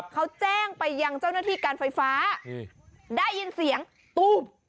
เขาแจ้งไปยังเจ้าหน้าที่การไฟฟ้าได้ยินเสียงตู้